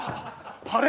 あれ？